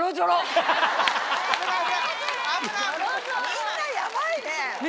みんなヤバいね。